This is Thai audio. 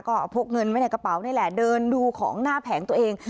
ก็พกเงินไว้ในกระเป๋านี่แหละเดินดูของหน้าแผงตัวเอง